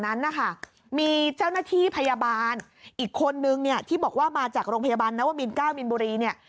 นั้นนะคะมีเจ้าหน้าที่พยาบาลอีกคนนึงเนี่ยที่บอกว่ามาจากโรงพยาบาลนวมิน๙มินบุรีเนี่ย